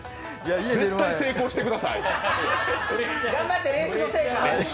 絶対成功してください。